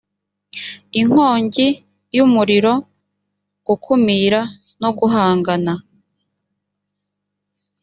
inkongi y umuriro gukumira no guhangana